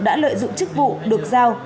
đã lợi dụng chức vụ được giao